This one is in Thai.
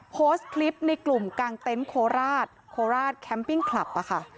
โพสต์คลิปในกลุ่มกางเต็นต์โคราชโคราชแคมปิ้งคลับอะค่ะ